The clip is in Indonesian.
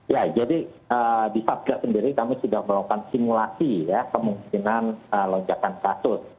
ya jadi di satgas sendiri kami sudah melakukan simulasi ya kemungkinan lonjakan kasus